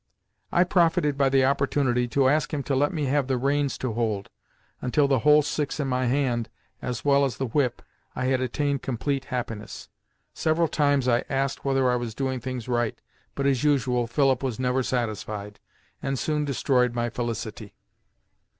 I profited by the opportunity to ask him to let me have the reins to hold, until, the whole six in my hand, as well as the whip, I had attained complete happiness. Several times I asked whether I was doing things right, but, as usual, Philip was never satisfied, and soon destroyed my felicity.